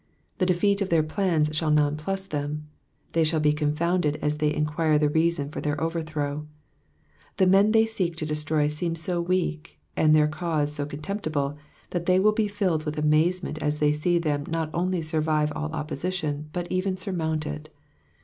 The defeat of their plans shall nonplus them, they shall be cx)nfounded as they enquire the reason for their overthrow ; the men they seek to destroy seem so weak, and their cause so contemptible, that they will be filled with amazement as they see them not only survive all opposition, but even surmount it.